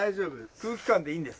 空気感でいいんです。